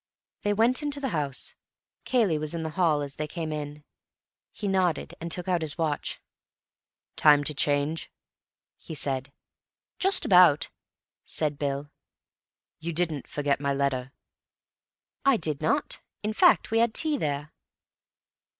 They went into the house. Cayley was in the hall as they came in. He nodded, and took out his watch. "Time to change?" he said. "Just about," said Bill. "You didn't forget my letter?" "I did not. In fact, we had tea there."